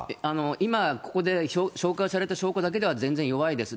今、ここで紹介された証拠だけでは全然弱いです。